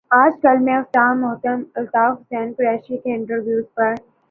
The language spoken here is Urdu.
آج کل میں استاد محترم الطاف حسن قریشی کے انٹرویوز پر